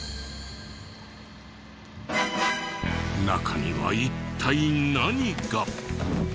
中には一体何が。